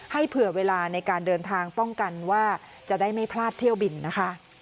เผื่อเวลาในการเดินทางป้องกันว่าจะได้ไม่พลาดเที่ยวบินนะคะ